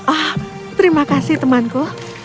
ah terima kasih temanku